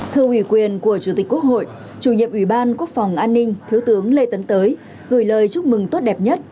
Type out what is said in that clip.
thư ủy quyền của chủ tịch quốc hội chủ nhiệm ủy ban quốc phòng an ninh thiếu tướng lê tấn tới gửi lời chúc mừng tốt đẹp nhất